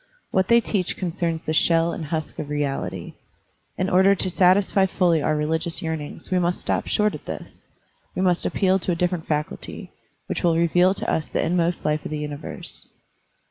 What they teach concerns the shell and husk of reality. In order to satisfy fully otir religious yearnings we must not stop short at this ; we must appeal to a different faculty, which will reveal to us the inmost life of the universe.